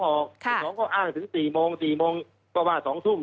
บ่าย๒ก็อ้างถึง๔โมง๔โมงก็ว่า๒ทุ่ม